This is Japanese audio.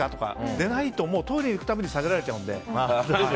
でないと、トイレに行くたびに下げられちゃうので。